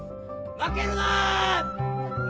負けるな！